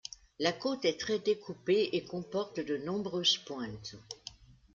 La côte est très découpée et comporte de nombreuses pointes.